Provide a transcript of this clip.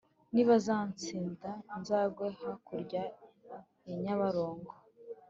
nibazansinda nzagwe hakurya ya nyabarongo.